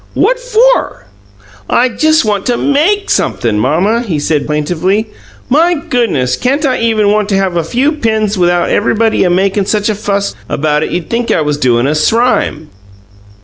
"What for?" "I just want to MAKE sumpthing, Mamma," he said plaintively. "My goodness! Can't I even want to have a few pins without everybody makin' such a fuss about it you'd think I was doin' a srime!"